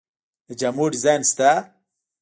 د جامو ډیزاینران شته؟